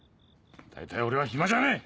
大体俺は暇じゃねえ！